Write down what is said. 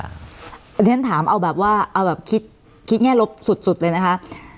เพราะฉะนั้นถามเอาแบบว่าเอาแบบคิดแง่ลบสุดเลยนะคะ